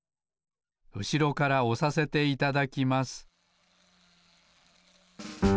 うしろからおさせていただきます